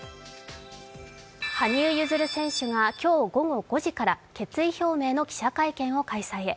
羽生結弦選手が今日午後５時から決意表明の記者会見を開催へ。